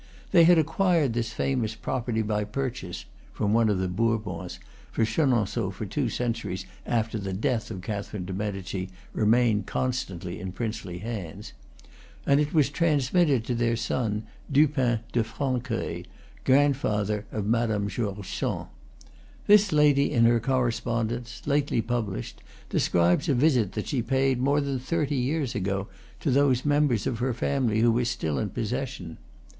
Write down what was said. They had acquired this famous pro perty by purchase (from one of the Bourbons; for Chenonceaux, for two centuries after the death of Catherine de' Medici, remained constantly in princely hands), and it was transmitted to their son, Dupin de Francueil, grandfather of Madame George Sand. This lady, in her Correspondence, lately published, describes a visit that she paid, more than thirty years ago, to those members of her family who were still in posses sion.